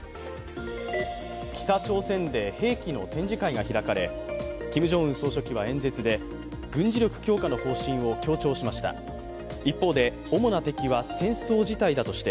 北朝鮮で兵器の展示会が開かれキム・ジョンウン総書記は演説で、軍事力強化の方針を強調しました。